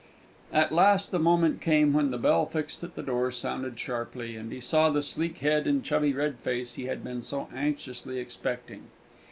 At last the moment came when the bell fixed at the door sounded sharply, and he saw the sleek head and chubby red face he had been so anxiously expecting.